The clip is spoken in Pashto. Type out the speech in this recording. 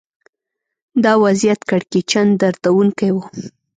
دا وضعیت کړکېچن دردونکی و